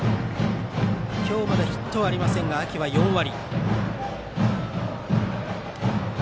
今日、まだヒットはありませんが秋は４割。